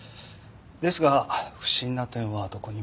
ですが不審な点はどこにも。